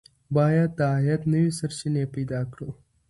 باید د عاید نوې سرچینې پیدا کړو.